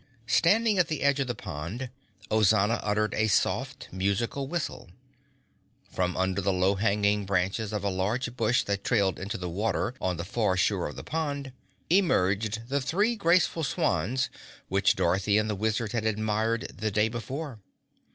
Standing at the edge of the pond, Ozana uttered a soft, musical whistle. From under the low hanging branches of a large bush that trailed into the water on the far shore of the pond, emerged the three graceful swans which Dorothy and the Wizard had admired the day before.